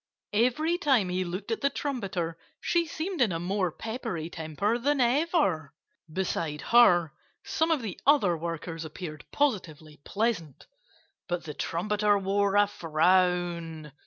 Every time he looked at the trumpeter she seemed in a more peppery temper than ever. Beside her, some of the other workers appeared positively pleasant. But the trumpeter wore a frown.